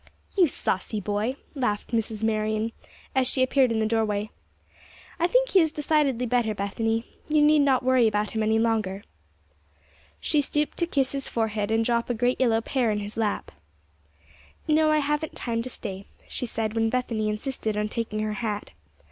'" "You saucy boy!" laughed Mrs. Marion, as she appeared in the doorway. "I think he is decidedly better, Bethany; you need not worry about him any longer." She stooped to kiss his forehead, and drop a great yellow pear in his lap. "No; I haven't time to stay," she said, when Bethany insisted on taking her hat.